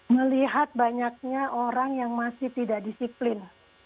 melihat banyaknya orang yang masih tidak disiplin